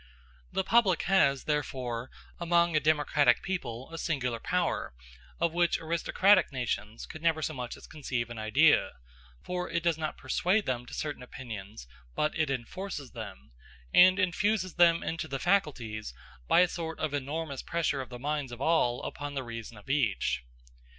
The public has therefore among a democratic people a singular power, of which aristocratic nations could never so much as conceive an idea; for it does not persuade to certain opinions, but it enforces them, and infuses them into the faculties by a sort of enormous pressure of the minds of all upon the reason of each.